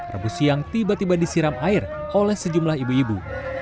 rebus siang tiba tiba disiram air oleh sejumlah ibu ibu